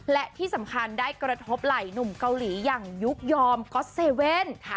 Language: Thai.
และที่สำคัญได้กระทบไหล่หนุ่มเกาหลีอย่างยุคยอมก๊อตเซเว่น